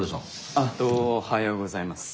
あっどはようございます。